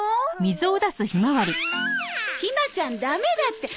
ひまちゃんダメだって。